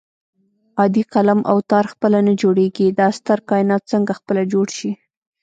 عادي قلم او تار خپله نه جوړېږي دا ستر کائنات څنګه خپله جوړ شي